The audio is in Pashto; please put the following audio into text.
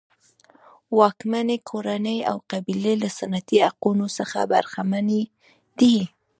واکمنې کورنۍ او قبیلې له سنتي حقونو څخه برخمنې دي.